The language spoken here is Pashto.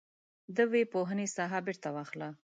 د ويي پوهنې ساحه بیرته واخله.